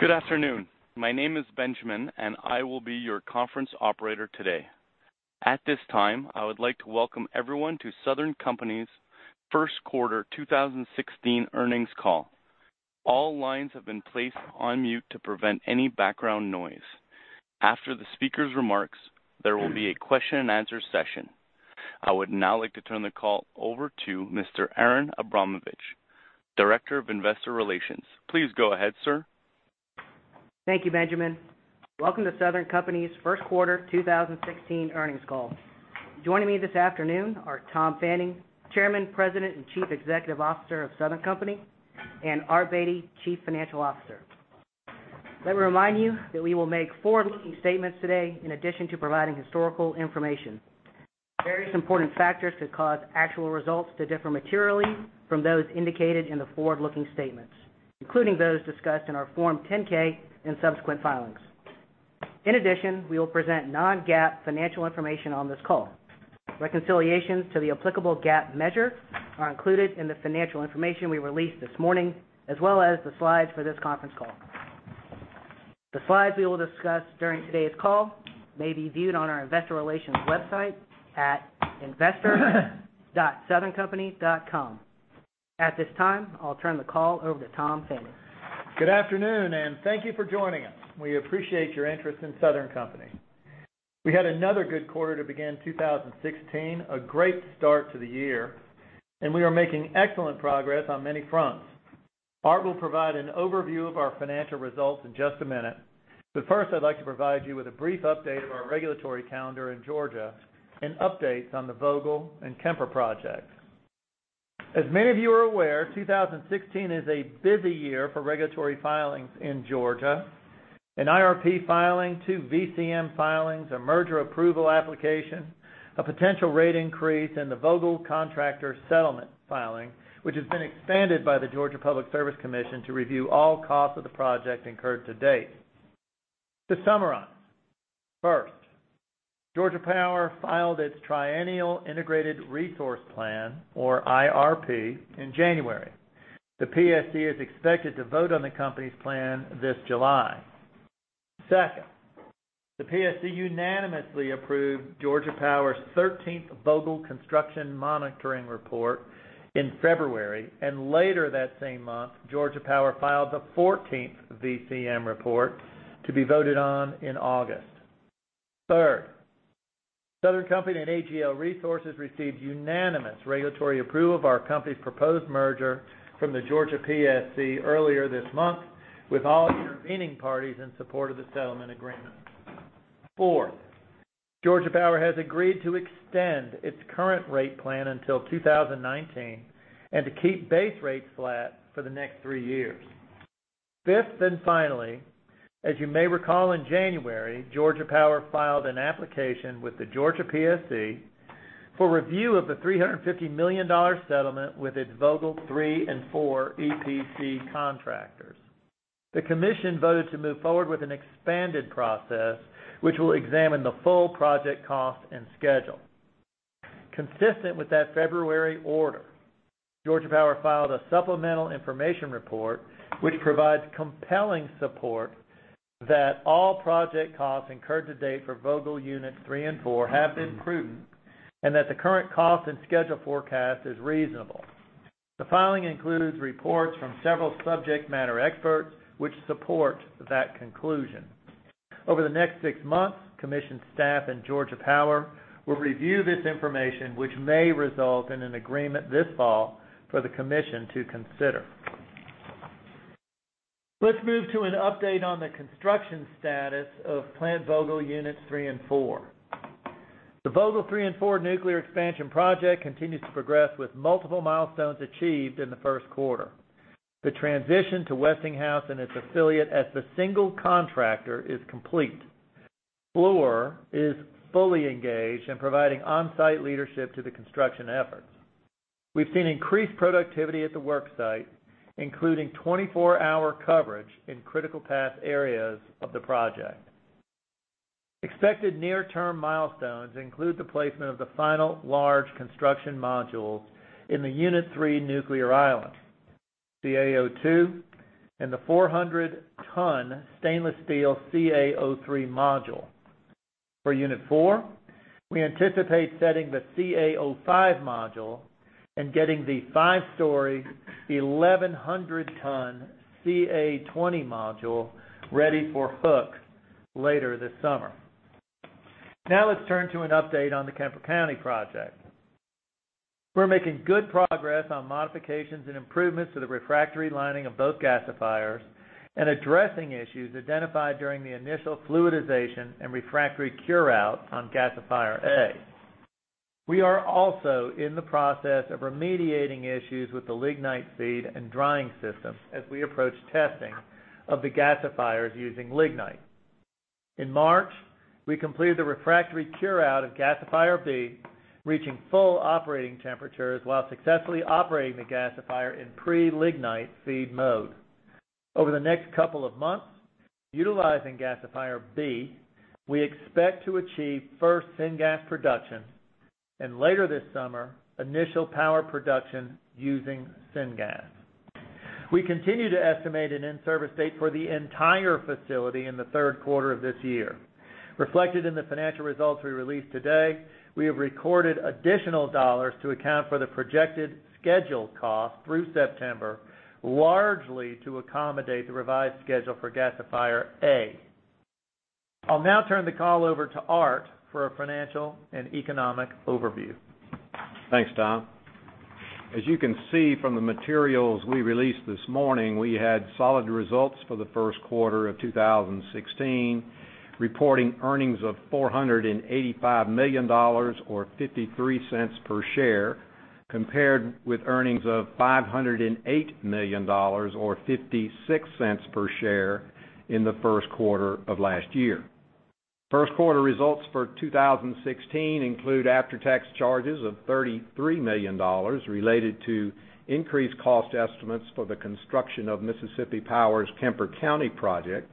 Good afternoon. My name is Benjamin, and I will be your conference operator today. At this time, I would like to welcome everyone to Southern Company's first quarter 2016 earnings call. All lines have been placed on mute to prevent any background noise. After the speaker's remarks, there will be a question and answer session. I would now like to turn the call over to Mr. Aaron Abramovitz, Director of Investor Relations. Please go ahead, sir. Thank you, Benjamin. Welcome to Southern Company's first quarter 2016 earnings call. Joining me this afternoon are Tom Fanning, Chairman, President, and Chief Executive Officer of Southern Company, and Art Beattie, Chief Financial Officer. Let me remind you that we will make forward-looking statements today in addition to providing historical information. Various important factors could cause actual results to differ materially from those indicated in the forward-looking statements, including those discussed in our Form 10-K and subsequent filings. In addition, we will present non-GAAP financial information on this call. Reconciliations to the applicable GAAP measure are included in the financial information we released this morning, as well as the slides for this conference call. The slides we will discuss during today's call may be viewed on our investor relations website at investor.southerncompany.com. At this time, I'll turn the call over to Tom Fanning. Good afternoon. Thank you for joining us. We appreciate your interest in Southern Company. We had another good quarter to begin 2016, a great start to the year. We are making excellent progress on many fronts. Art will provide an overview of our financial results in just a minute. First, I'd like to provide you with a brief update of our regulatory calendar in Georgia and updates on the Vogtle and Kemper projects. As many of you are aware, 2016 is a busy year for regulatory filings in Georgia. An IRP filing, 2 VCM filings, a merger approval application, a potential rate increase, and the Vogtle contractor settlement filing, which has been expanded by the Georgia Public Service Commission to review all costs of the project incurred to date. To summarize, first, Georgia Power filed its triennial Integrated Resource Plan, or IRP, in January. The PSC is expected to vote on the company's plan this July. Second, the PSC unanimously approved Georgia Power's 13th Vogtle construction monitoring report in February. Later that same month, Georgia Power filed the 14th VCM report to be voted on in August. Third, Southern Company and AGL Resources received unanimous regulatory approval of our company's proposed merger from the Georgia PSC earlier this month, with all intervening parties in support of the settlement agreement. Fourth, Georgia Power has agreed to extend its current rate plan until 2019 and to keep base rates flat for the next three years. Fifth, finally, as you may recall, in January, Georgia Power filed an application with the Georgia PSC for review of the $350 million settlement with its Vogtle 3 and 4 EPC contractors. The commission voted to move forward with an expanded process, which will examine the full project cost and schedule. Consistent with that February order, Georgia Power filed a supplemental information report, which provides compelling support that all project costs incurred to date for Vogtle Unit 3 and 4 have been prudent and that the current cost and schedule forecast is reasonable. The filing includes reports from several subject matter experts which support that conclusion. Over the next 6 months, commission staff and Georgia Power will review this information, which may result in an agreement this fall for the commission to consider. Let's move to an update on the construction status of Plant Vogtle Units 3 and 4. The Vogtle 3 and 4 nuclear expansion project continues to progress with multiple milestones achieved in the first quarter. The transition to Westinghouse and its affiliate as the single contractor is complete. Fluor is fully engaged in providing on-site leadership to the construction efforts. We've seen increased productivity at the work site, including 24-hour coverage in critical path areas of the project. Expected near-term milestones include the placement of the final large construction modules in the Unit 3 nuclear island, CA02, and the 400-ton stainless steel CA03 module. For Unit 4, we anticipate setting the CA05 module and getting the 5-story, 1,100-ton CA20 module ready for hook later this summer. Let's turn to an update on the Kemper County project. We're making good progress on modifications and improvements to the refractory lining of both gasifiers and addressing issues identified during the initial fluidization and refractory cure out on gasifier A. We are also in the process of remediating issues with the lignite feed and drying system as we approach testing of the gasifiers using lignite. In March, we completed the refractory cure out of gasifier B, reaching full operating temperatures while successfully operating the gasifier in pre-lignite feed mode. Over the next couple of months, utilizing gasifier B, we expect to achieve first syngas production. Later this summer, initial power production using syngas. We continue to estimate an in-service date for the entire facility in the third quarter of this year. Reflected in the financial results we released today, we have recorded additional dollars to account for the projected scheduled cost through September, largely to accommodate the revised schedule for gasifier A. I'll now turn the call over to Art for a financial and economic overview. Thanks, Tom. As you can see from the materials we released this morning, we had solid results for the first quarter of 2016, reporting earnings of $485 million, or $0.53 per share, compared with earnings of $508 million or $0.56 per share in the first quarter of last year. First quarter results for 2016 include after-tax charges of $33 million related to increased cost estimates for the construction of Mississippi Power's Kemper County project.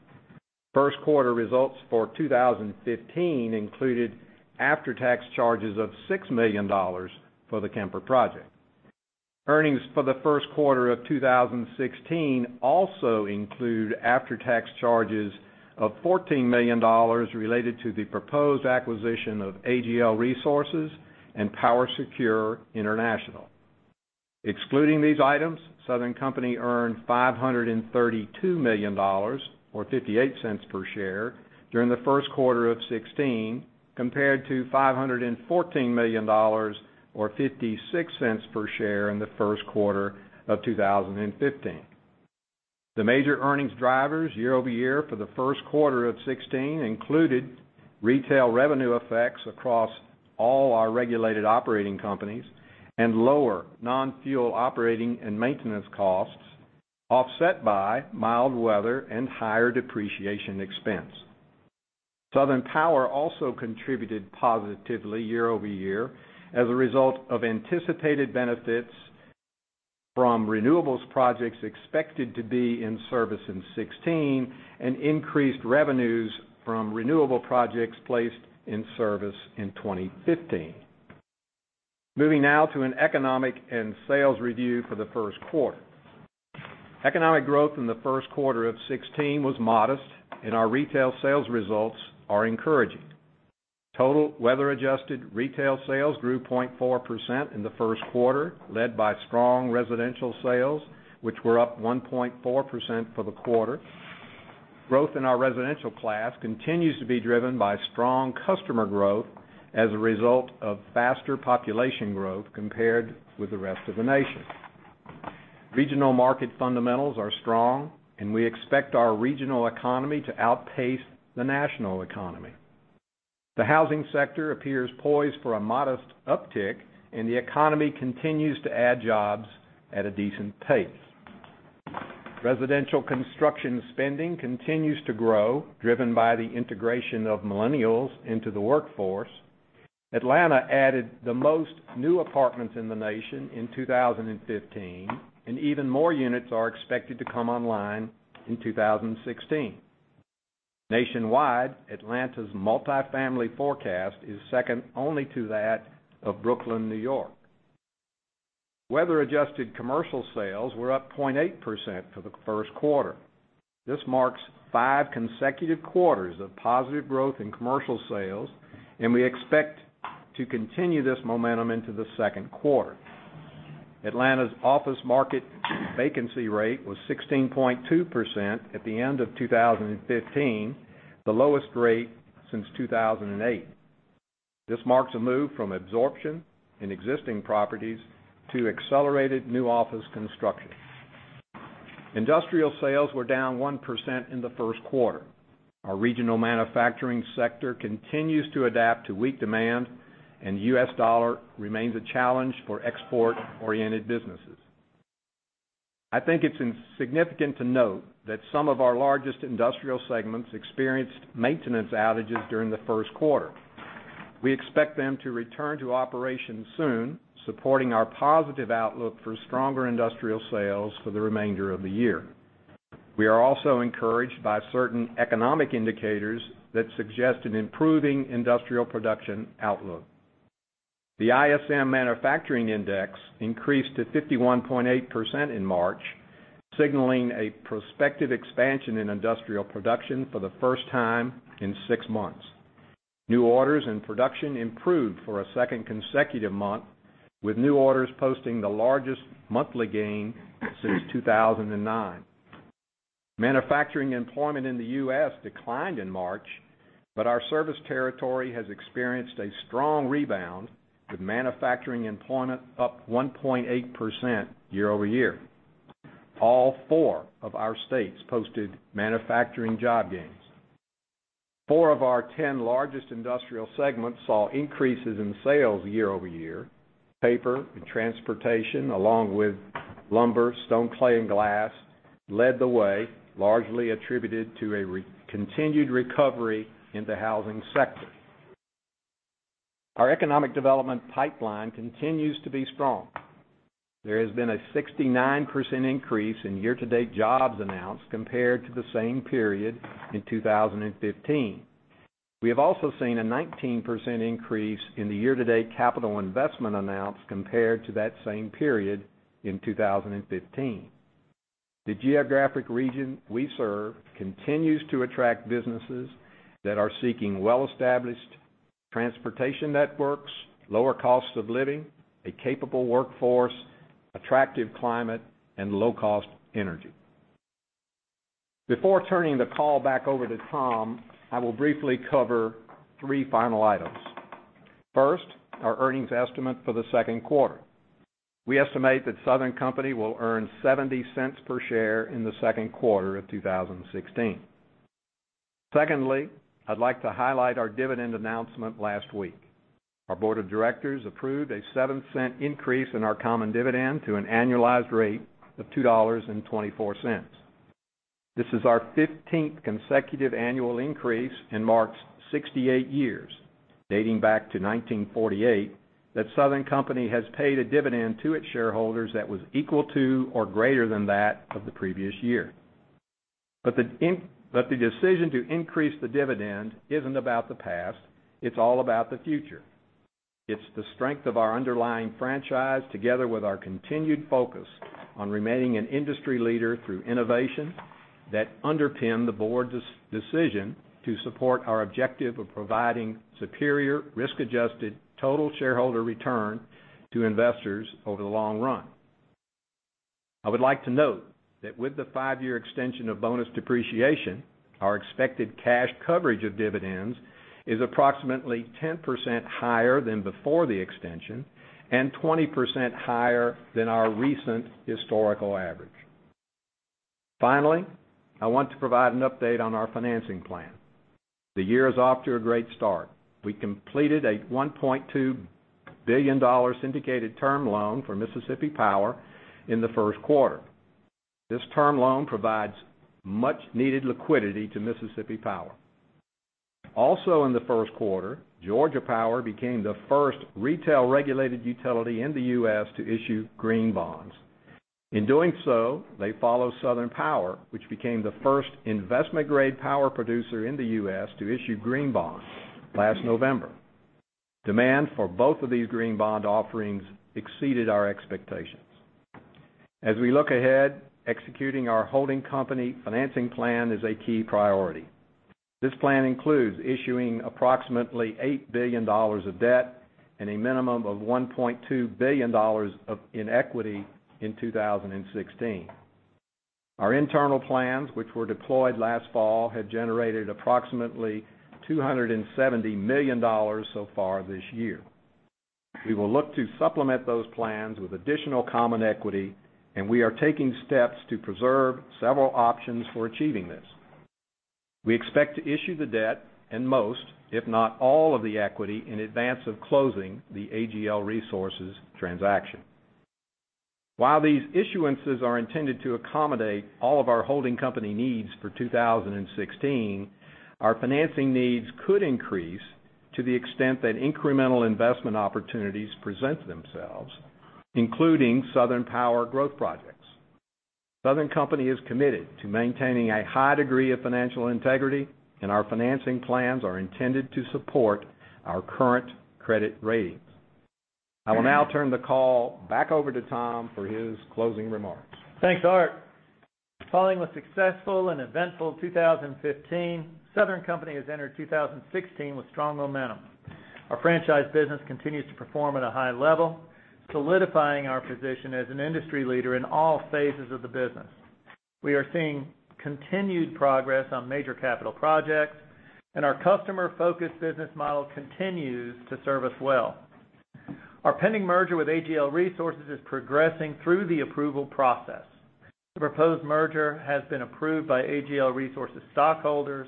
First quarter results for 2015 included after-tax charges of $6 million for the Kemper project. Earnings for the first quarter of 2016 also include after-tax charges of $14 million related to the proposed acquisition of AGL Resources and PowerSecure International. Excluding these items, Southern Company earned $532 million, or $0.58 per share, during the first quarter of 2016, compared to $514 million or $0.56 per share in the first quarter of 2015. The major earnings drivers year-over-year for the first quarter of 2016 included retail revenue effects across all our regulated operating companies and lower non-fuel operating and maintenance costs, offset by mild weather and higher depreciation expense. Southern Power also contributed positively year-over-year as a result of anticipated benefits from renewables projects expected to be in service in 2016 and increased revenues from renewable projects placed in service in 2015. Moving now to an economic and sales review for the first quarter. Economic growth in the first quarter of 2016 was modest, and our retail sales results are encouraging. Total weather-adjusted retail sales grew 0.4% in the first quarter, led by strong residential sales, which were up 1.4% for the quarter. Growth in our residential class continues to be driven by strong customer growth as a result of faster population growth compared with the rest of the nation. Regional market fundamentals are strong, and we expect our regional economy to outpace the national economy. The housing sector appears poised for a modest uptick, and the economy continues to add jobs at a decent pace. Residential construction spending continues to grow, driven by the integration of millennials into the workforce. Atlanta added the most new apartments in the nation in 2015, and even more units are expected to come online in 2016. Nationwide, Atlanta's multifamily forecast is second only to that of Brooklyn, New York. Weather-adjusted commercial sales were up 0.8% for the first quarter. This marks five consecutive quarters of positive growth in commercial sales, and we expect to continue this momentum into the second quarter. Atlanta's office market vacancy rate was 16.2% at the end of 2015, the lowest rate since 2008. This marks a move from absorption in existing properties to accelerated new office construction. Industrial sales were down 1% in the first quarter. Our regional manufacturing sector continues to adapt to weak demand, and the U.S. dollar remains a challenge for export-oriented businesses. I think it's significant to note that some of our largest industrial segments experienced maintenance outages during the first quarter. We expect them to return to operation soon, supporting our positive outlook for stronger industrial sales for the remainder of the year. We are also encouraged by certain economic indicators that suggest an improving industrial production outlook. The ISM Manufacturing Index increased to 51.8% in March, signaling a prospective expansion in industrial production for the first time in six months. New orders and production improved for a second consecutive month, with new orders posting the largest monthly gain since 2009. Manufacturing employment in the U.S. declined in March, but our service territory has experienced a strong rebound, with manufacturing employment up 1.8% year-over-year. All four of our states posted manufacturing job gains. Four of our 10 largest industrial segments saw increases in sales year-over-year. Paper and transportation, along with lumber, stone, clay, and glass, led the way, largely attributed to a continued recovery in the housing sector. Our economic development pipeline continues to be strong. There has been a 69% increase in year-to-date jobs announced compared to the same period in 2015. We have also seen a 19% increase in the year-to-date capital investment announced compared to that same period in 2015. The geographic region we serve continues to attract businesses that are seeking well-established transportation networks, lower costs of living, a capable workforce, attractive climate, and low-cost energy. Before turning the call back over to Tom, I will briefly cover three final items. First, our earnings estimate for the second quarter. We estimate that The Southern Company will earn $0.70 per share in the second quarter of 2016. I'd like to highlight our dividend announcement last week. Our board of directors approved a $0.07 increase in our common dividend to an annualized rate of $2.24. This is our 15th consecutive annual increase and marks 68 years, dating back to 1948, that The Southern Company has paid a dividend to its shareholders that was equal to or greater than that of the previous year. The decision to increase the dividend isn't about the past, it's all about the future. It's the strength of our underlying franchise together with our continued focus on remaining an industry leader through innovation that underpinned the board's decision to support our objective of providing superior risk-adjusted total shareholder return to investors over the long run. I would like to note that with the five-year extension of bonus depreciation, our expected cash coverage of dividends is approximately 10% higher than before the extension and 20% higher than our recent historical average. I want to provide an update on our financing plan. The year is off to a great start. We completed a $1.2 billion syndicated term loan for Mississippi Power in the first quarter. This term loan provides much needed liquidity to Mississippi Power. Also in the first quarter, Georgia Power became the first retail regulated utility in the U.S. to issue Green Bonds. In doing so, they follow Southern Power, which became the first investment-grade power producer in the U.S. to issue Green Bonds last November. Demand for both of these Green Bond offerings exceeded our expectations. As we look ahead, executing our holding company financing plan is a key priority. This plan includes issuing approximately $8 billion of debt and a minimum of $1.2 billion in equity in 2016. Our internal plans, which were deployed last fall, have generated approximately $270 million so far this year. We will look to supplement those plans with additional common equity, and we are taking steps to preserve several options for achieving this. We expect to issue the debt and most, if not all of the equity, in advance of closing the AGL Resources transaction. While these issuances are intended to accommodate all of our holding company needs for 2016, our financing needs could increase to the extent that incremental investment opportunities present themselves, including Southern Power growth projects. The Southern Company is committed to maintaining a high degree of financial integrity, and our financing plans are intended to support our current credit ratings. I will now turn the call back over to Tom for his closing remarks. Thanks, Art. Following a successful and eventful 2015, Southern Company has entered 2016 with strong momentum. Our franchise business continues to perform at a high level, solidifying our position as an industry leader in all phases of the business. We are seeing continued progress on major capital projects, and our customer-focused business model continues to serve us well. Our pending merger with AGL Resources is progressing through the approval process. The proposed merger has been approved by AGL Resources stockholders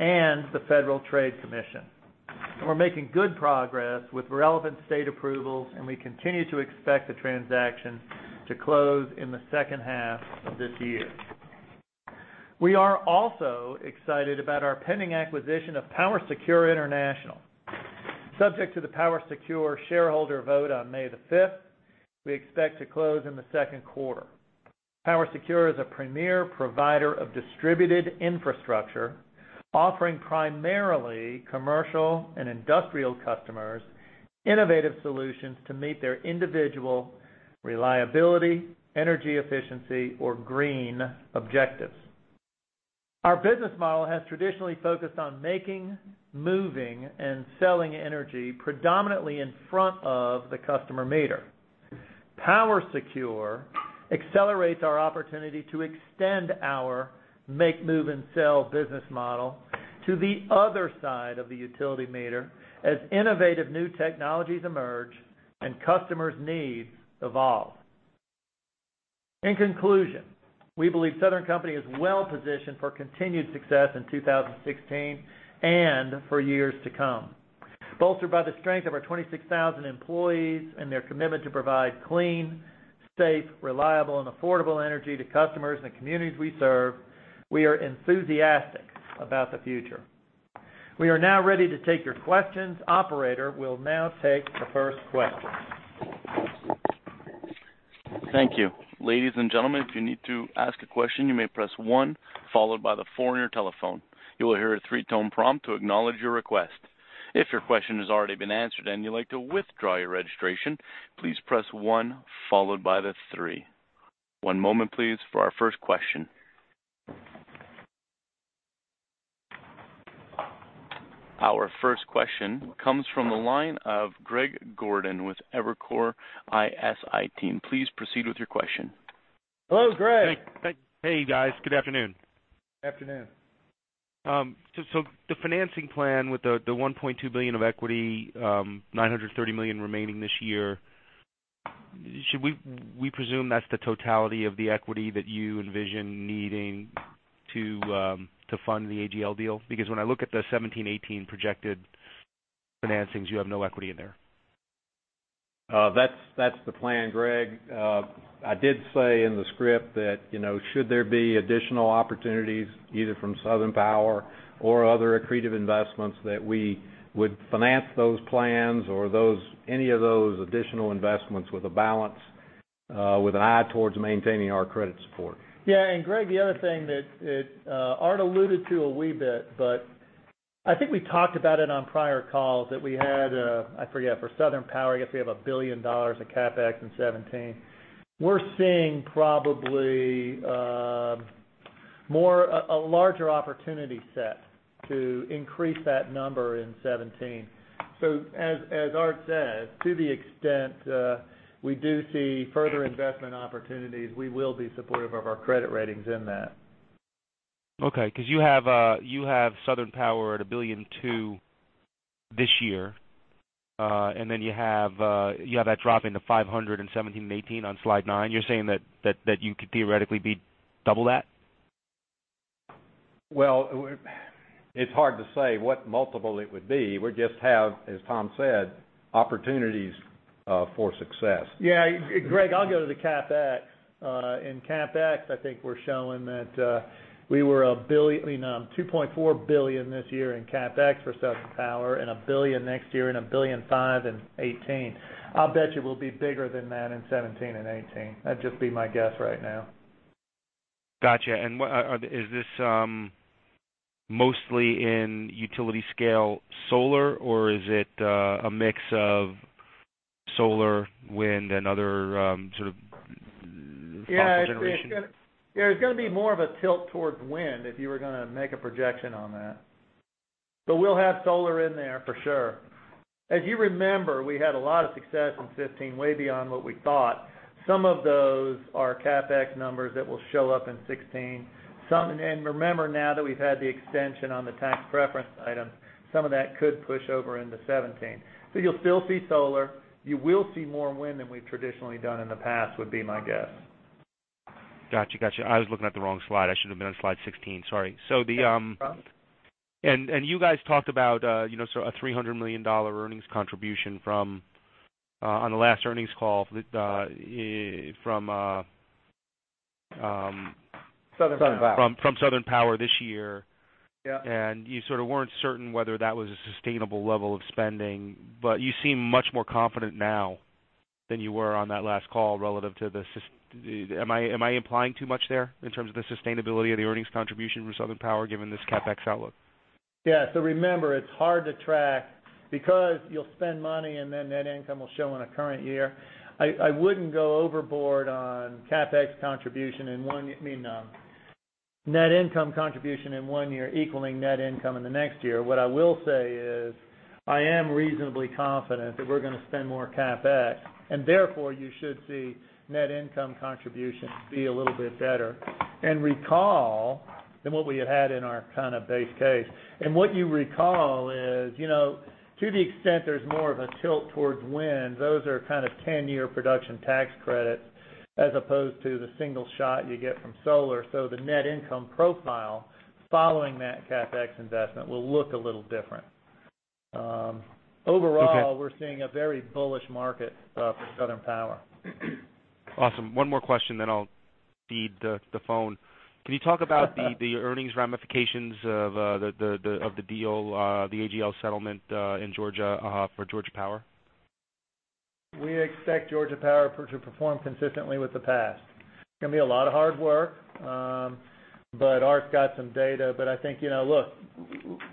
and the Federal Trade Commission. We're making good progress with relevant state approvals, and we continue to expect the transaction to close in the second half of this year. We are also excited about our pending acquisition of PowerSecure International. Subject to the PowerSecure shareholder vote on May the 5th, we expect to close in the second quarter. PowerSecure is a premier provider of distributed infrastructure, offering primarily commercial and industrial customers innovative solutions to meet their individual reliability, energy efficiency, or green objectives. Our business model has traditionally focused on making, moving, and selling energy predominantly in front of the customer meter. PowerSecure accelerates our opportunity to extend our make, move, and sell business model to the other side of the utility meter as innovative new technologies emerge and customers' needs evolve. In conclusion, we believe Southern Company is well-positioned for continued success in 2016 and for years to come. Bolstered by the strength of our 26,000 employees and their commitment to provide clean, safe, reliable, and affordable energy to customers and the communities we serve, we are enthusiastic about the future. We are now ready to take your questions. Operator, we'll now take the first question. Thank you. Ladies and gentlemen, if you need to ask a question, you may press one, followed by the four on your telephone. You will hear a three-tone prompt to acknowledge your request. If your question has already been answered and you'd like to withdraw your registration, please press one followed by the three. One moment, please, for our first question. Our first question comes from the line of Greg Gordon with Evercore ISI team. Please proceed with your question. Hello, Greg. Hey. Hey, guys. Good afternoon. Afternoon. The financing plan with the $1.2 billion of equity, $930 million remaining this year, should we presume that's the totality of the equity that you envision needing to fund the AGL deal? Because when I look at the 2017, 2018 projected financings, you have no equity in there. That's the plan, Greg. I did say in the script that should there be additional opportunities, either from Southern Power or other accretive investments, that we would finance those plans or any of those additional investments with a balance with an eye towards maintaining our credit support. Yeah. Greg, the other thing that Art alluded to a wee bit, but I think we talked about it on prior calls that we had, I forget, for Southern Power, I guess we have $1 billion of CapEx in 2017. We're seeing probably a larger opportunity set to increase that number in 2017. As Art said, to the extent we do see further investment opportunities, we will be supportive of our credit ratings in that. Okay, because you have Southern Power at $1.2 billion this year. Then you have that dropping to $500 in 2017 and 2018 on slide nine. You're saying that you could theoretically be double that? Well, it's hard to say what multiple it would be. We just have, as Tom said, opportunities for success. Yeah. Greg, I'll go to the CapEx. In CapEx, I think we're showing that we were $2.4 billion this year in CapEx for Southern Power and $1 billion next year and $1.5 billion in 2018. I'll bet you we'll be bigger than that in 2017 and 2018. That'd just be my guess right now. Is this mostly in utility-scale solar, or is it a mix of solar, wind, and other sort of power generation? Yeah, it's going to be more of a tilt towards wind if you were going to make a projection on that. We'll have solar in there for sure. As you remember, we had a lot of success in 2015, way beyond what we thought. Some of those are CapEx numbers that will show up in 2016. Remember, now that we've had the extension on the tax preference item, some of that could push over into 2017. You'll still see solar. You will see more wind than we've traditionally done in the past, would be my guess. Got you. I was looking at the wrong slide. I should've been on slide 16. Sorry. No problem. You guys talked about a $300 million earnings contribution on the last earnings call from Southern Power Southern Power this year. Yeah. You sort of weren't certain whether that was a sustainable level of spending, but you seem much more confident now than you were on that last call relative to the. Am I implying too much there in terms of the sustainability of the earnings contribution for Southern Power given this CapEx outlook? Remember, it's hard to track because you'll spend money and then net income will show in a current year. I wouldn't go overboard on net income contribution in one year equaling net income in the next year. What I will say is, I am reasonably confident that we're going to spend more CapEx, and therefore, you should see net income contributions be a little bit better than what we had had in our kind of base case. What you recall is, to the extent there's more of a tilt towards wind, those are kind of 10-year Production Tax Credits as opposed to the single shot you get from solar. The net income profile following that CapEx investment will look a little different. Okay. Overall, we're seeing a very bullish market for Southern Power. Awesome. One more question then I'll cede the phone. Can you talk about the earnings ramifications of the deal, the AGL settlement in Georgia for Georgia Power? We expect Georgia Power to perform consistently with the past. It's going to be a lot of hard work. Art's got some data, but I think, look,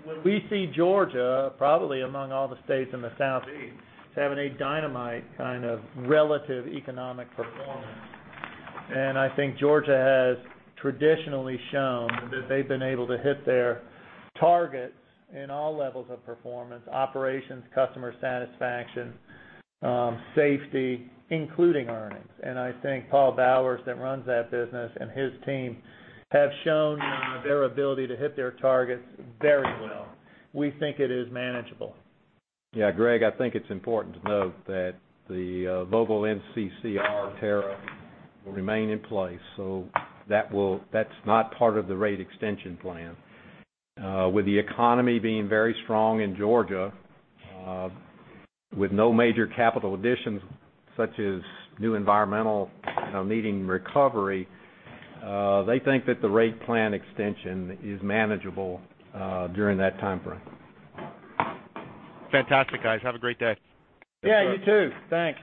when we see Georgia, probably among all the states in the Southeast, as having a dynamite kind of relative economic performance. I think Georgia has traditionally shown that they've been able to hit their targets in all levels of performance, operations, customer satisfaction, safety, including earnings. I think Paul Bowers, that runs that business, and his team have shown their ability to hit their targets very well. We think it is manageable. Yeah, Greg, I think it's important to note that the Vogtle MCCR tariff will remain in place. That's not part of the rate extension plan. With the economy being very strong in Georgia. With no major capital additions, such as new environmental needing recovery, they think that the rate plan extension is manageable during that timeframe. Fantastic, guys. Have a great day. Yeah, you too. Thanks.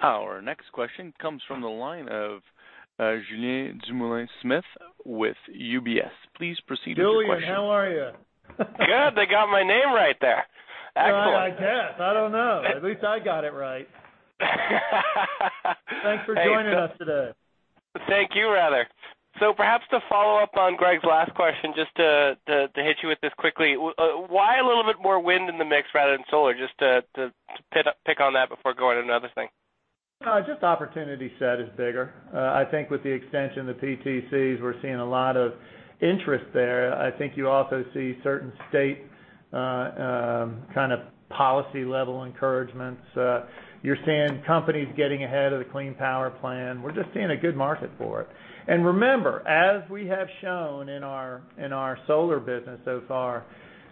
Our next question comes from the line of Julien Dumoulin-Smith with UBS. Please proceed with your question. Julien, how are you? Good. They got my name right there. Excellent. Well, I guess. I don't know. At least I got it right. Thanks for joining us today. Thank you, rather. Perhaps to follow up on Greg's last question, just to hit you with this quickly, why a little bit more wind in the mix rather than solar? Just to pick on that before going to another thing. Just the opportunity set is bigger. I think with the extension of the PTCs, we're seeing a lot of interest there. I think you also see certain state policy-level encouragements. You're seeing companies getting ahead of the Clean Power Plan. We're just seeing a good market for it. Remember, as we have shown in our solar business so far,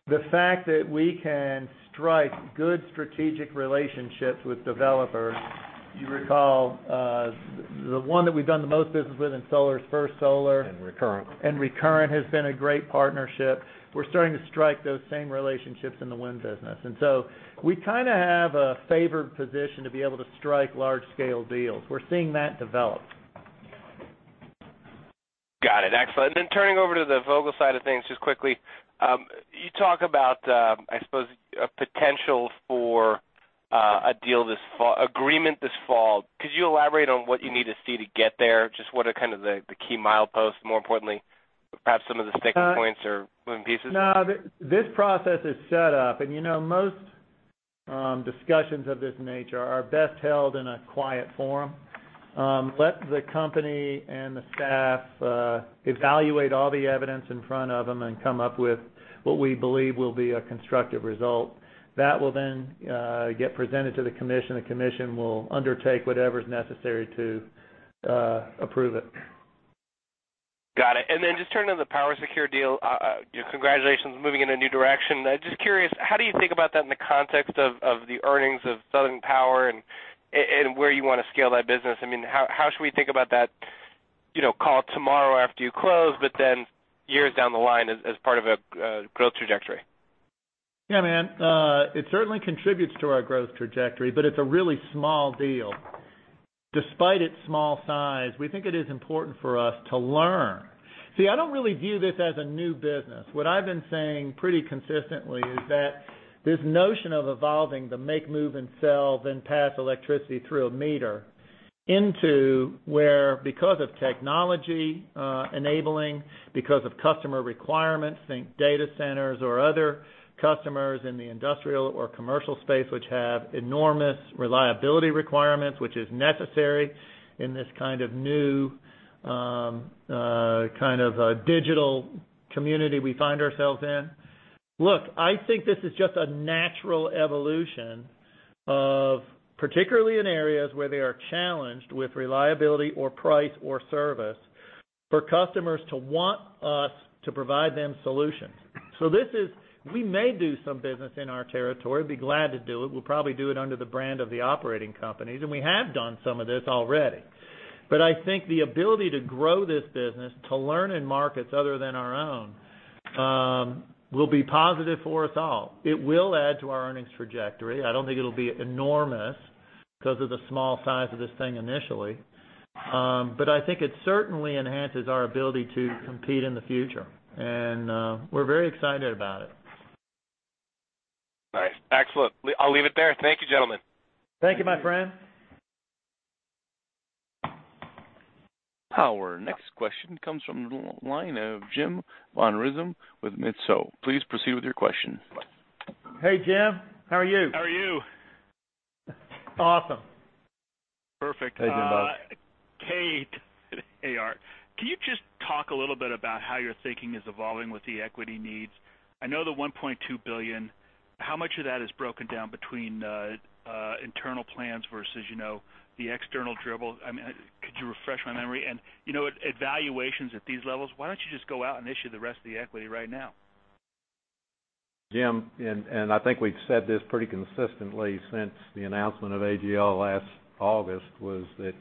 the fact that we can strike good strategic relationships with developers. You recall, the one that we've done the most business with in solar is First Solar. Recurrent. Recurrent has been a great partnership. We're starting to strike those same relationships in the wind business. So we kind of have a favored position to be able to strike large-scale deals. We're seeing that develop. Got it. Excellent. Then turning over to the Vogtle side of things just quickly. You talk about, I suppose, a potential for a deal this fall, agreement this fall. Could you elaborate on what you need to see to get there? Just what are kind of the key mileposts, more importantly, perhaps some of the sticking points or moving pieces? No, this process is set up, and most discussions of this nature are best held in a quiet forum. Let the company and the staff evaluate all the evidence in front of them and come up with what we believe will be a constructive result. That will get presented to the commission. The commission will undertake whatever's necessary to approve it. Got it. Just turning to the PowerSecure deal, congratulations, moving in a new direction. Just curious, how do you think about that in the context of the earnings of Southern Power and where you want to scale that business? How should we think about that call tomorrow after you close, years down the line as part of a growth trajectory? Yeah, man. It certainly contributes to our growth trajectory, but it's a really small deal. Despite its small size, we think it is important for us to learn. See, I don't really view this as a new business. What I've been saying pretty consistently is that this notion of evolving the make, move, and sell, pass electricity through a meter into where, because of technology enabling, because of customer requirements, think data centers or other customers in the industrial or commercial space which have enormous reliability requirements, which is necessary in this kind of new digital community we find ourselves in. Look, I think this is just a natural evolution of, particularly in areas where they are challenged with reliability or price or service, for customers to want us to provide them solutions. We may do some business in our territory, be glad to do it. We'll probably do it under the brand of the operating companies, we have done some of this already. I think the ability to grow this business, to learn in markets other than our own, will be positive for us all. It will add to our earnings trajectory. I don't think it'll be enormous because of the small size of this thing initially. I think it certainly enhances our ability to compete in the future. We're very excited about it. Nice. Excellent. I'll leave it there. Thank you, gentlemen. Thank you, my friend. Our next question comes from the line of James von Riesemann with Mizuho. Please proceed with your question. Hey, Jim. How are you? How are you? Awesome. Perfect. Hey, Jim, bud. Art, can you just talk a little bit about how your thinking is evolving with the equity needs? I know the $1.2 billion, how much of that is broken down between internal plans versus the external dribble? Could you refresh my memory? At valuations at these levels, why don't you just go out and issue the rest of the equity right now? Jim, I think we've said this pretty consistently since the announcement of AGL last August, was that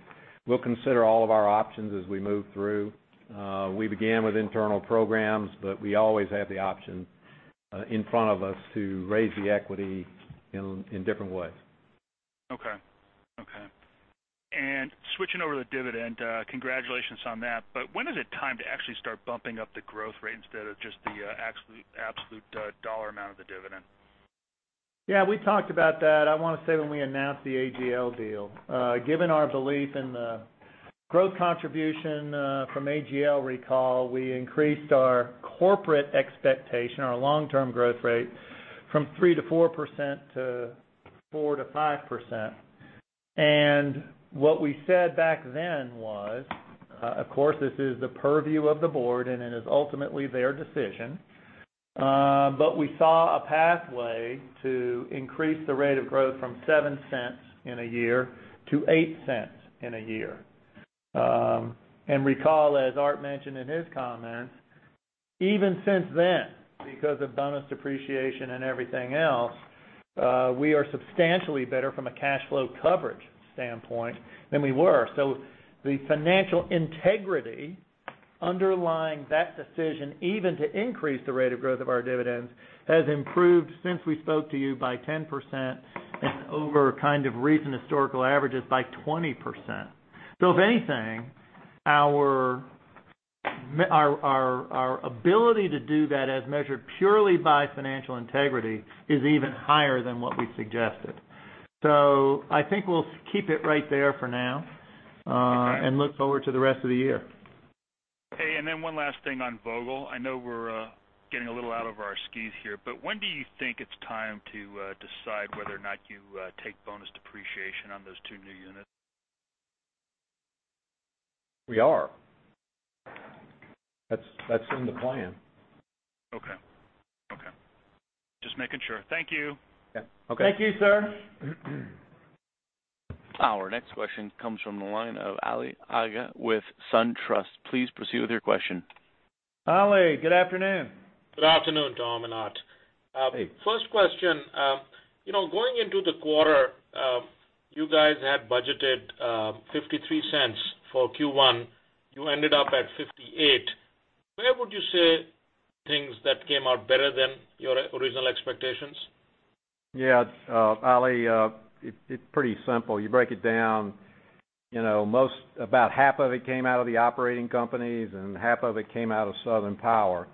we'll consider all of our options as we move through. We began with internal programs, but we always have the option in front of us to raise the equity in different ways. Okay. Switching over to the dividend, congratulations on that. When is it time to actually start bumping up the growth rate instead of just the absolute dollar amount of the dividend? Yeah, we talked about that, I want to say, when we announced the AGL deal. Given our belief in the growth contribution from AGL, recall, we increased our corporate expectation, our long-term growth rate, from 3% to 4% to 4% to 5%. What we said back then was, of course, this is the purview of the board, and it is ultimately their decision. We saw a pathway to increase the rate of growth from $0.07 in a year to $0.08 in a year. Recall, as Art mentioned in his comments, even since then, because of bonus depreciation and everything else, we are substantially better from a cash flow coverage standpoint than we were. The financial integrity underlying that decision, even to increase the rate of growth of our dividends, has improved since we spoke to you by 10% and over kind of recent historical averages by 20%. If anything, our ability to do that as measured purely by financial integrity is even higher than what we suggested. I think we'll keep it right there for now. Okay Look forward to the rest of the year. Hey, one last thing on Vogtle. I know we're getting a little out of our skis here, when do you think it's time to decide whether or not you take bonus depreciation on those two new units? We are. That's in the plan. Okay. Just making sure. Thank you. Yeah, okay. Thank you, sir. Our next question comes from the line of Ali Agha with SunTrust. Please proceed with your question. Ali, good afternoon. Good afternoon, Tom and Art. Hey. First question. Going into the quarter, you guys had budgeted $0.53 for Q1. You ended up at $0.58. Where would you say things that came out better than your original expectations? Yeah. Ali, it's pretty simple. You break it down. About half of it came out of the operating companies, and half of it came out of Southern Power.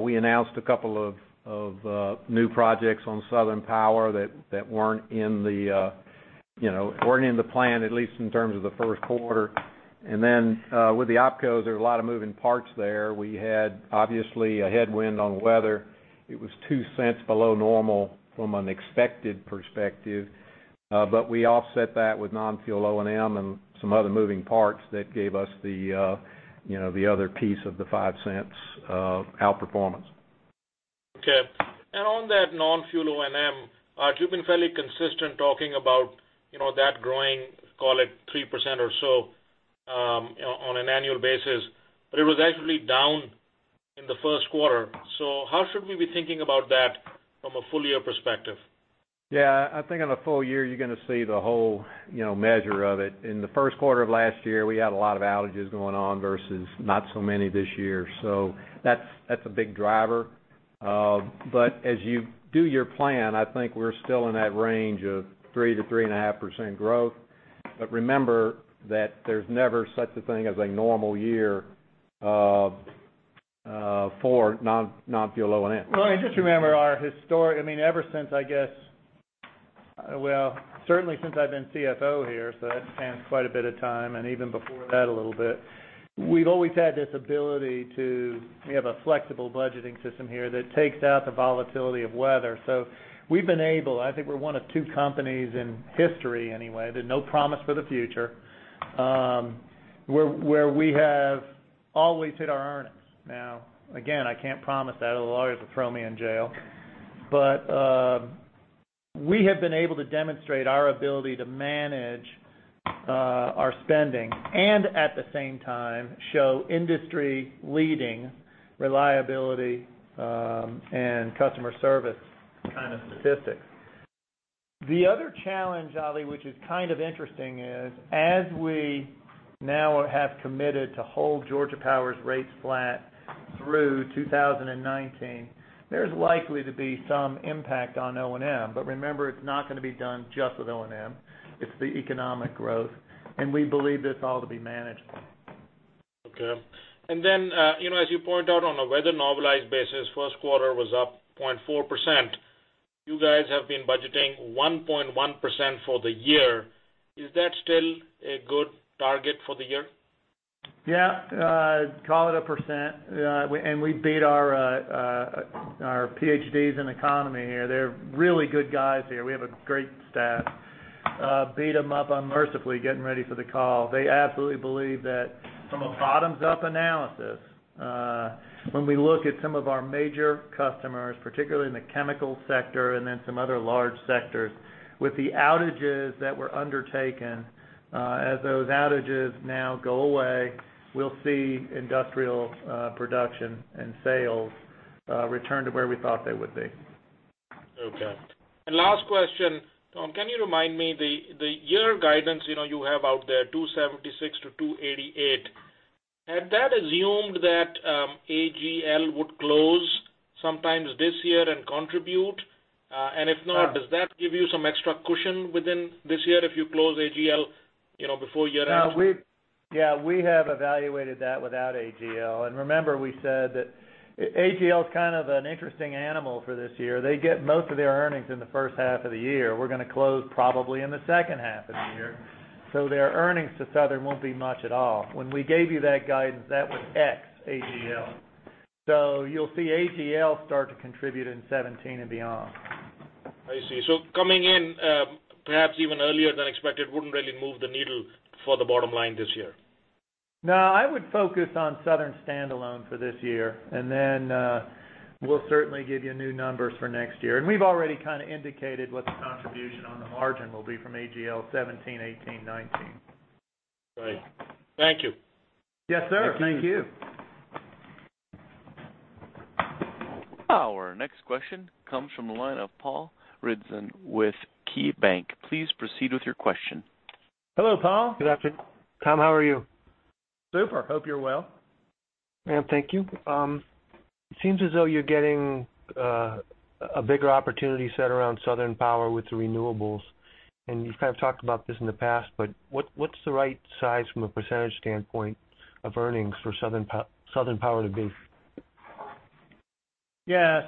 We announced a couple of new projects on Southern Power that weren't in the plan, at least in terms of the first quarter. With the opcos, there are a lot of moving parts there. We had, obviously, a headwind on weather. It was $0.02 below normal from an expected perspective. We offset that with non-fuel O&M and some other moving parts that gave us the other piece of the $0.05 outperformance. Okay. On that non-fuel O&M, Art, you've been fairly consistent talking about that growing, call it 3% or so on an annual basis. It was actually down in Q1. How should we be thinking about that from a full-year perspective? Yeah, I think on a full year, you're going to see the whole measure of it. In Q1 of last year, we had a lot of outages going on versus not so many this year. That's a big driver. As you do your plan, I think we're still in that range of 3%-3.5% growth. Remember that there's never such a thing as a normal year for non-fuel O&M. Just remember our historic, ever since, I guess, certainly since I've been CFO here, so that spans quite a bit of time, and even before that a little bit, we've always had this ability to have a flexible budgeting system here that takes out the volatility of weather. We've been able, I think we're one of two companies in history anyway, there's no promise for the future, where we have always hit our earnings. Now, again, I can't promise that. The lawyers will throw me in jail. We have been able to demonstrate our ability to manage our spending, and at the same time, show industry-leading reliability and customer service kind of statistics. The other challenge, Ali, which is kind of interesting, is as we now have committed to hold Georgia Power's rates flat through 2019, there's likely to be some impact on O&M. Remember, it's not going to be done just with O&M. It's the economic growth. We believe this all to be manageable. Okay. As you point out on a weather-normalized basis, Q1 was up 0.4%. You guys have been budgeting 1.1% for the year. Is that still a good target for the year? Call it a percent. We beat our PhDs in economy here. They're really good guys here. We have a great staff. Beat them up unmercifully getting ready for the call. They absolutely believe that from a bottoms-up analysis, when we look at some of our major customers, particularly in the chemical sector and then some other large sectors, with the outages that were undertaken, as those outages now go away, we will see industrial production and sales return to where we thought they would be. Okay. Last question. Tom, can you remind me, the year guidance you have out there, $2.76 to $2.88. Had that assumed that AGL would close sometime this year and contribute? If not, does that give you some extra cushion within this year if you close AGL before year end? We have evaluated that without AGL. Remember, we said that AGL's kind of an interesting animal for this year. They get most of their earnings in the first half of the year. We're going to close probably in the second half of the year. Their earnings to Southern won't be much at all. When we gave you that guidance, that was ex AGL. You will see AGL start to contribute in 2017 and beyond. I see. Coming in perhaps even earlier than expected wouldn't really move the needle for the bottom line this year? No, I would focus on Southern standalone for this year. Then we'll certainly give you new numbers for next year. We've already kind of indicated what the contribution on the margin will be from AGL 2017, 2018, 2019. Right. Thank you. Yes, sir. Thank you. Our next question comes from the line of Paul Ridzon with KeyBanc. Please proceed with your question. Hello, Paul. Good afternoon, Tom. How are you? Super. Hope you're well. Yeah. Thank you. It seems as though you're getting a bigger opportunity set around Southern Power with the renewables, and you've kind of talked about this in the past, but what's the right size from a % standpoint of earnings for Southern Power to be? Yeah.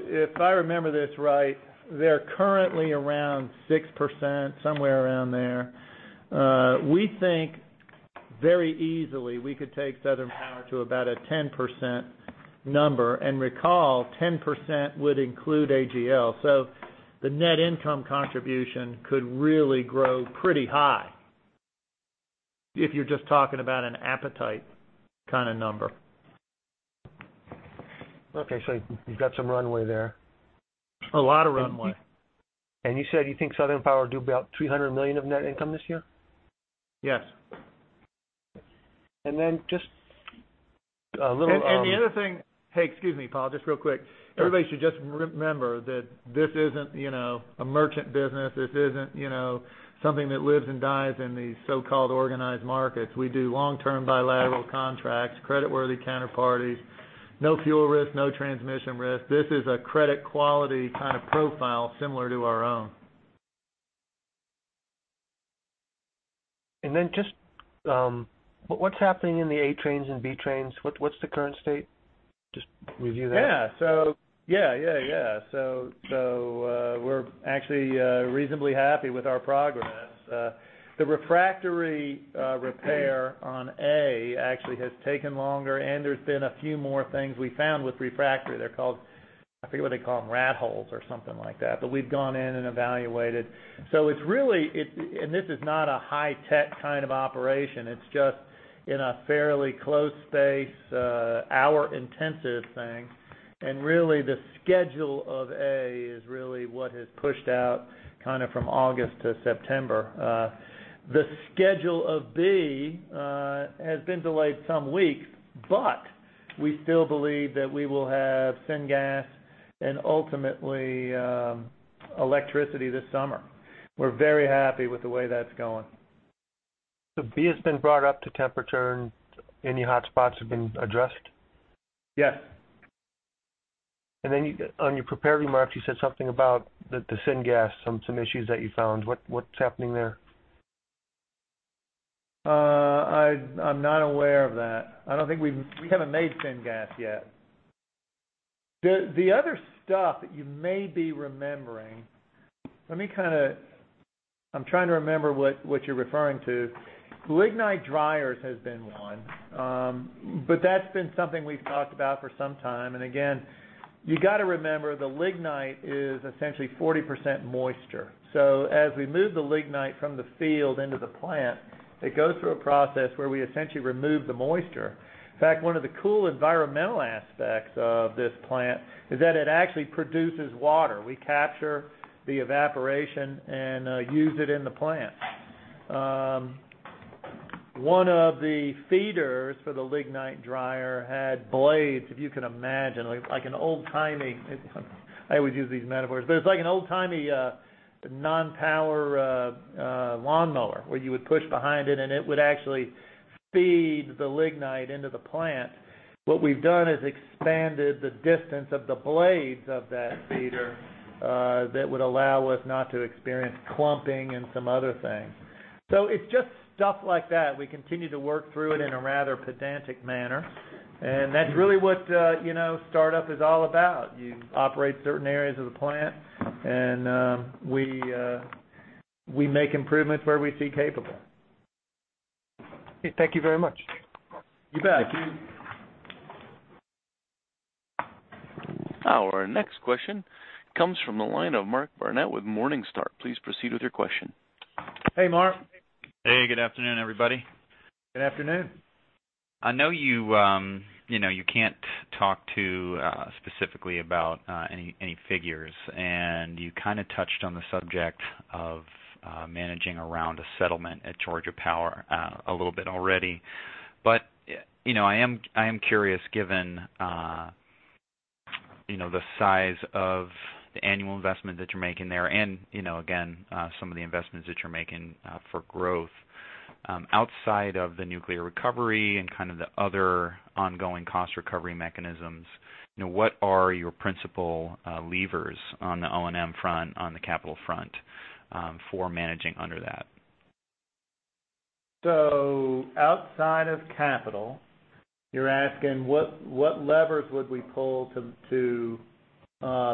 If I remember this right, they're currently around 6%, somewhere around there. We think very easily we could take Southern Power to about a 10% number. Recall, 10% would include AGL, so the net income contribution could really grow pretty high if you're just talking about an appetite kind of number. Okay. You've got some runway there. A lot of runway. You said you think Southern Power will do about $300 million of net income this year? Yes. And then just a little- Hey, excuse me, Paul, just real quick. Sure. Everybody should just remember that this isn't a merchant business. This isn't something that lives and dies in these so-called organized markets. We do long-term bilateral contracts, creditworthy counterparties, no fuel risk, no transmission risk. This is a credit quality kind of profile similar to our own. Just what's happening in the A trains and B trains? What's the current state? Just review that. Yeah. We're actually reasonably happy with our progress. The refractory repair on A has taken longer, and there's been a few more things we found with refractory. I forget what they call them, rat holes or something like that. We've gone in and evaluated. This is not a high-tech kind of operation. It's just in a fairly close space, hour-intensive thing. Really, the schedule of A is really what has pushed out kind of from August to September. The schedule of B has been delayed some weeks, but we still believe that we will have syngas and ultimately electricity this summer. We're very happy with the way that's going. B has been brought up to temperature and any hotspots have been addressed? Yes. On your prepared remarks, you said something about the syngas, some issues that you found. What's happening there? I'm not aware of that. We haven't made syngas yet. The other stuff that you may be remembering, I'm trying to remember what you're referring to. Lignite dryers has been one. That's been something we've talked about for some time. Again, you got to remember, the lignite is essentially 40% moisture. As we move the lignite from the field into the plant, it goes through a process where we essentially remove the moisture. In fact, one of the cool environmental aspects of this plant is that it actually produces water. We capture the evaporation and use it in the plant. One of the feeders for the lignite dryer had blades, if you can imagine, like an old-timey, I always use these metaphors, but it's like an old-timey non-power lawnmower where you would push behind it would actually feed the lignite into the plant. What we've done is expanded the distance of the blades of that feeder that would allow us not to experience clumping and some other things. It's just stuff like that. We continue to work through it in a rather pedantic manner, that's really what startup is all about. You operate certain areas of the plant, we make improvements where we see capable. Thank you very much. You bet. Thank you. Our next question comes from the line of Mark Barnett with Morningstar. Please proceed with your question. Hey, Mark. Hey. Good afternoon, everybody. Good afternoon. I know you can't talk too specifically about any figures. You kind of touched on the subject of managing around a settlement at Georgia Power a little bit already. I am curious, given the size of the annual investment that you're making there and again, some of the investments that you're making for growth. Outside of the nuclear recovery and kind of the other ongoing cost recovery mechanisms, what are your principal levers on the O&M front, on the capital front for managing under that? Outside of capital, you're asking what levers would we pull to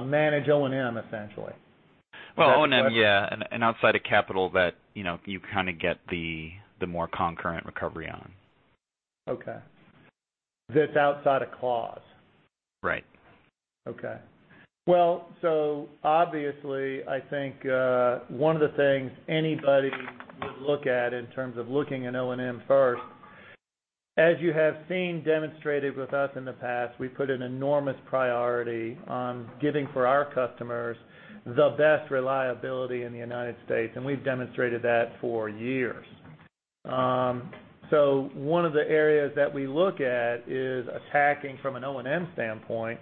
manage O&M, essentially? Is that? Well, O&M, yeah. Outside of capital that you kind of get the more concurrent recovery on. Okay. That's outside of clause. Right. Well, obviously, I think one of the things anybody would look at in terms of looking at O&M first, as you have seen demonstrated with us in the past, we put an enormous priority on getting for our customers the best reliability in the U.S., and we've demonstrated that for years. One of the areas that we look at is attacking from an O&M standpoint,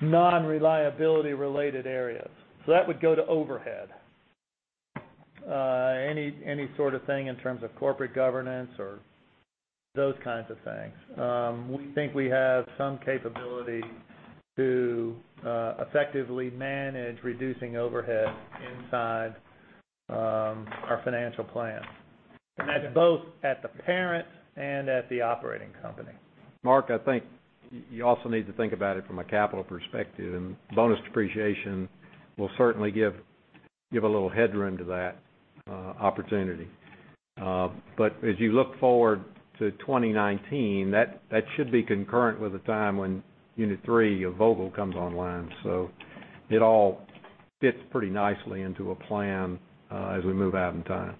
non-reliability related areas. That would go to overhead. Any sort of thing in terms of corporate governance or those kinds of things. We think we have some capability to effectively manage reducing overhead inside our financial plan. That's both at the parent and at the operating company. Mark, I think you also need to think about it from a capital perspective, bonus depreciation will certainly give a little headroom to that opportunity. As you look forward to 2019, that should be concurrent with the time when unit three of Vogtle comes online. It all fits pretty nicely into a plan as we move out in time.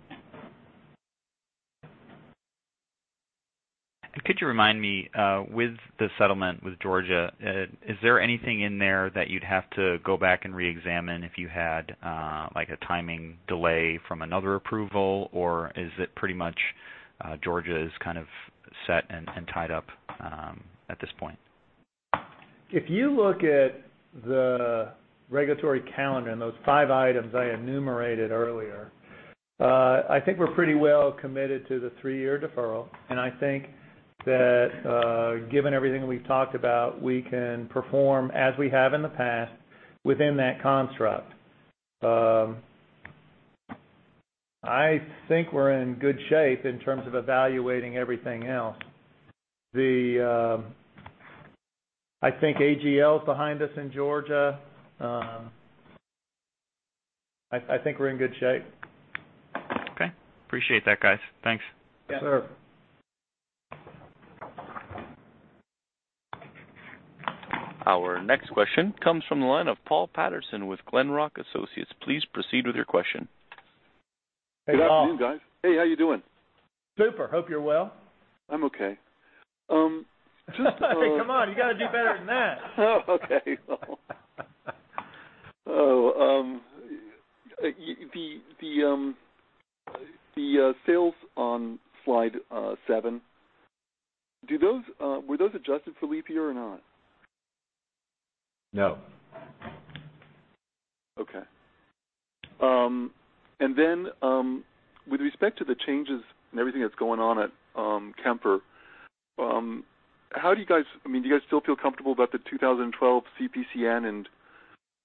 Could you remind me, with the settlement with Georgia, is there anything in there that you'd have to go back and reexamine if you had a timing delay from another approval? Is it pretty much Georgia is kind of set and tied up at this point? If you look at the regulatory calendar and those five items I enumerated earlier, I think we're pretty well committed to the three-year deferral, I think that, given everything we've talked about, we can perform as we have in the past, within that construct. I think we're in good shape in terms of evaluating everything else. I think AGL is behind us in Georgia. I think we're in good shape. Okay. Appreciate that, guys. Thanks. Yes, sir. Our next question comes from the line of Paul Patterson with Glenrock Associates. Please proceed with your question. Hey, Paul. Good afternoon, guys. Hey, how you doing? Super. Hope you're well. I'm okay. Come on, you've got to do better than that. Oh, okay. Oh. The sales on slide seven, were those adjusted for leap year or not? No. Okay. With respect to the changes and everything that's going on at Kemper, do you guys still feel comfortable about the 2012 CPCN and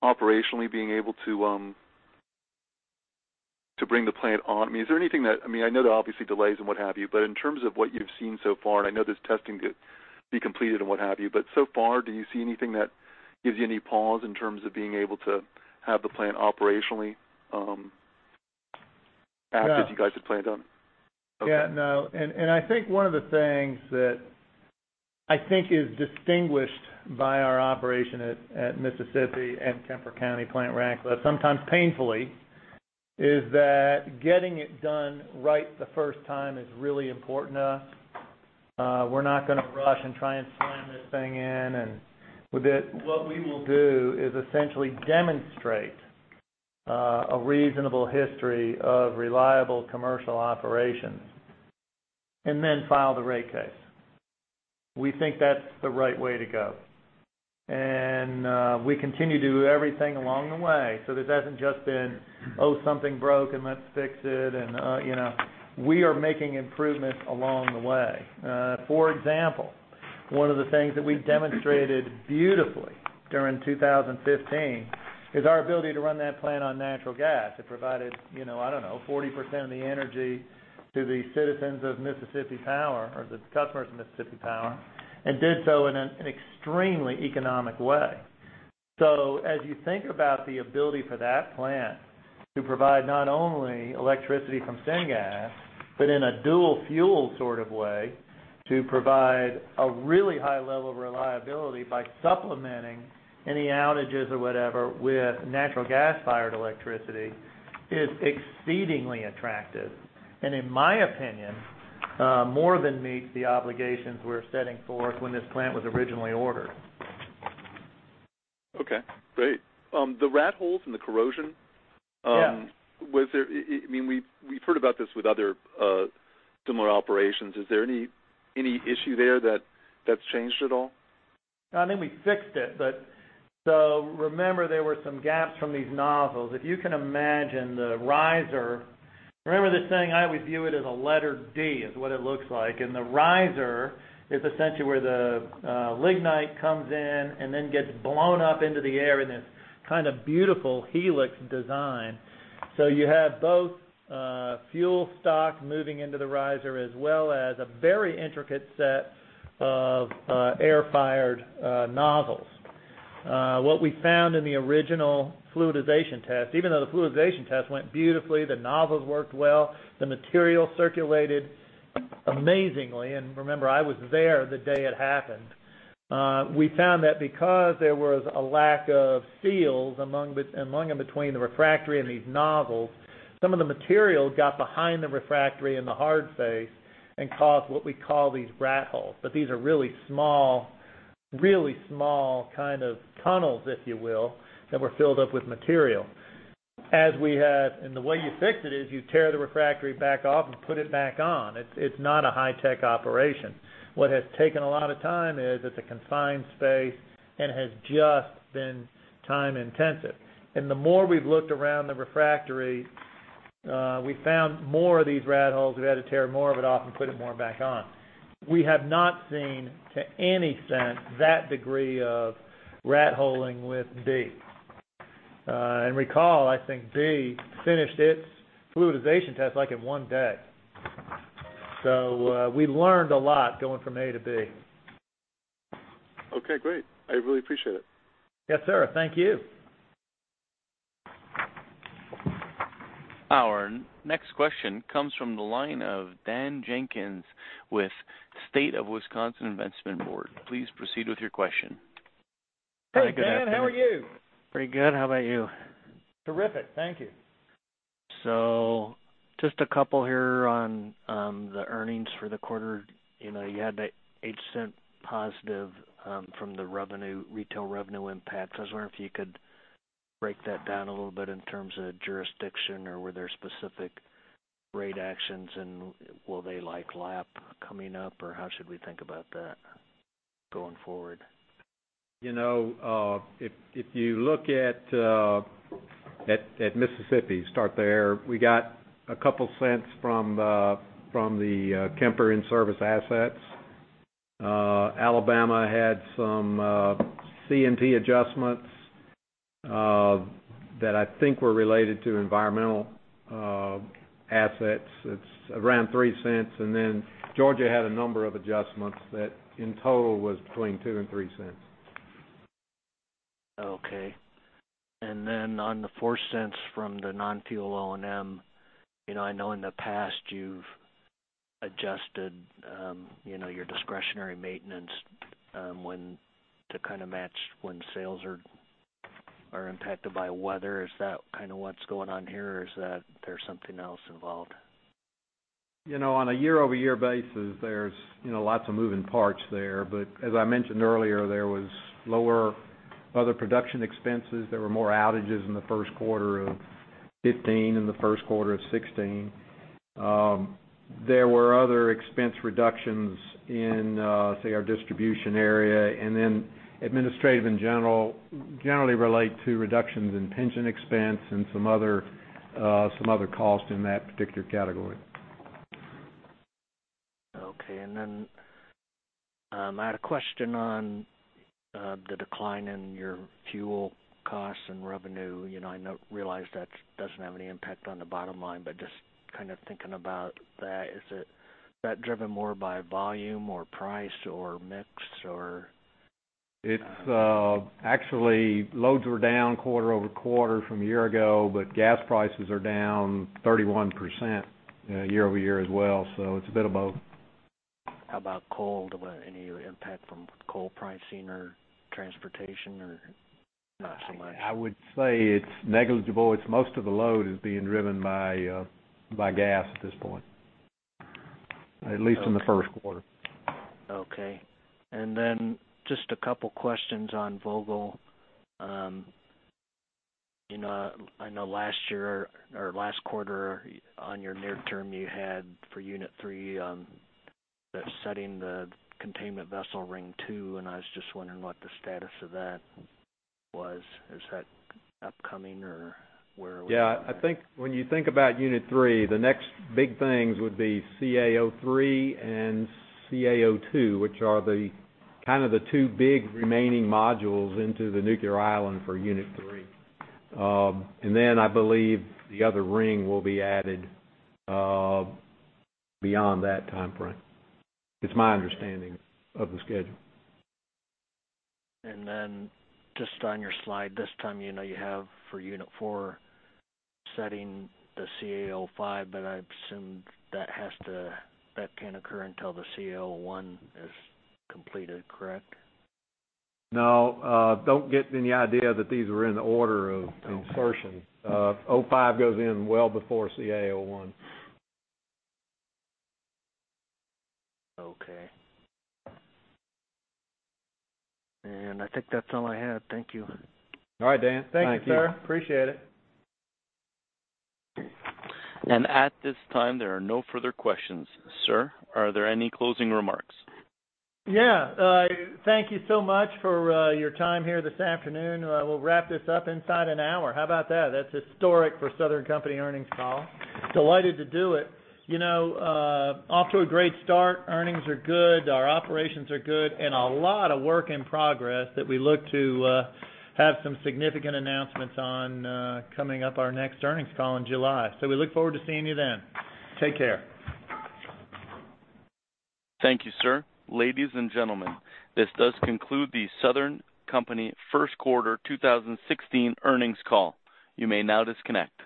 operationally being able to bring the plant on? I know there are obviously delays and what have you, but in terms of what you've seen so far, and I know there's testing to be completed and what have you, but so far, do you see anything that gives you any pause in terms of being able to have the plant operationally active- No as you guys had planned on? Okay. Yeah, no. I think one of the things that I think is distinguished by our operation at Mississippi and Kemper County Plant Ratcliffe, sometimes painfully, is that getting it done right the first time is really important to us. We're not going to rush and try and slam this thing in. With that, what we will do is essentially demonstrate a reasonable history of reliable commercial operations and then file the rate case. We think that's the right way to go. We continue to do everything along the way. This hasn't just been, "Oh, something broke, and let's fix it," and you know. We are making improvements along the way. For example, one of the things that we demonstrated beautifully during 2015 is our ability to run that plant on natural gas. It provided, I don't know, 40% of the energy to the citizens of Mississippi Power or the customers of Mississippi Power, did so in an extremely economic way. As you think about the ability for that plant to provide not only electricity from syngas, but in a dual-fuel sort of way, to provide a really high level of reliability by supplementing any outages or whatever with natural gas-fired electricity, is exceedingly attractive. In my opinion, more than meets the obligations we were setting forth when this plant was originally ordered. Okay, great. The rat holes and the corrosion- Yeah we've heard about this with other similar operations. Is there any issue there that's changed at all? No, I think we fixed it. Remember there were some gaps from these nozzles. If you can imagine the riser, remember this thing, I always view it as a letter D, is what it looks like. The riser is essentially where the lignite comes in and then gets blown up into the air in this kind of beautiful helix design. You have both fuel stock moving into the riser, as well as a very intricate set of air-fired nozzles. What we found in the original fluidization test, even though the fluidization test went beautifully, the nozzles worked well, the material circulated amazingly. Remember, I was there the day it happened. We found that because there was a lack of seals among and between the refractory and these nozzles, some of the material got behind the refractory in the hard phase and caused what we call these rat holes. These are really small tunnels, if you will, that were filled up with material. The way you fix it is you tear the refractory back off and put it back on. It's not a high-tech operation. What has taken a lot of time is it's a confined space and has just been time intensive. The more we've looked around the refractory, we found more of these rat holes. We've had to tear more of it off and put it more back on. We have not seen to any extent that degree of rat holing with B. Recall, I think B finished its fluidization test like in one day. We learned a lot going from A to B. Okay, great. I really appreciate it. Yes, sir. Thank you. Our next question comes from the line of Dan Jenkins with State of Wisconsin Investment Board. Please proceed with your question. Hey, Dan, how are you? Pretty good. How about you? Terrific, thank you. Just a couple here on the earnings for the quarter. You had that $0.08 positive from the retail revenue impact. I was wondering if you could break that down a little bit in terms of jurisdiction or were there specific rate actions and will they like lap coming up or how should we think about that going forward? If you look at Mississippi, start there, we got a couple cents from the Kemper in-service assets. Alabama had some CNP adjustments that I think were related to environmental assets. It is around $0.03. Georgia had a number of adjustments that in total was between $0.02 and $0.03. Okay. On the $0.04 from the non-fuel O&M, I know in the past you've adjusted your discretionary maintenance to kind of match when sales are impacted by weather. Is that kind of what's going on here or is there something else involved? On a year-over-year basis, there's lots of moving parts there. As I mentioned earlier, there was lower other production expenses. There were more outages in the first quarter of 2015 and the first quarter of 2016. There were other expense reductions in, say, our distribution area, administrative in general generally relate to reductions in pension expense and some other costs in that particular category. Okay. Then I had a question on the decline in your fuel costs and revenue. I realize that doesn't have any impact on the bottom line, but just kind of thinking about that, is that driven more by volume or price or mix or? Actually, loads were down quarter-over-quarter from a year ago, gas prices are down 31% year-over-year as well. It's a bit of both. How about coal? Any impact from coal pricing or transportation or not so much? I would say it's negligible. Most of the load is being driven by gas at this point, at least in the first quarter. Okay. Just a couple questions on Vogtle. I know last year or last quarter on your near term, you had for unit 3, the setting the containment vessel ring 2, I was just wondering what the status of that was. Is that upcoming or where are we? Yeah, when you think about unit 3, the next big things would be CA03 and CA02, which are the kind of the two big remaining modules into the nuclear island for unit 3. I believe the other ring will be added beyond that timeframe. It's my understanding of the schedule. Just on your slide this time you have for unit 4, setting the CA05, I assume that can't occur until the CA01 is completed, correct? No. Don't get any idea that these are in the order of insertion. 05 goes in well before CA01. Okay. I think that's all I have. Thank you. All right, Dan. Thank you. Thank you, sir. Appreciate it. At this time, there are no further questions. Sir, are there any closing remarks? Thank you so much for your time here this afternoon. We will wrap this up inside an hour. How about that? That is historic for Southern Company earnings call. Delighted to do it. Off to a great start. Earnings are good. Our operations are good and a lot of work in progress that we look to have some significant announcements on coming up our next earnings call in July. We look forward to seeing you then. Take care. Thank you, sir. Ladies and gentlemen, this does conclude the Southern Company first quarter 2016 earnings call. You may now disconnect.